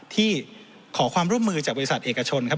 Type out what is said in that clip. ที่ขอความร่วมมือจากบริษัทเอกชนครับ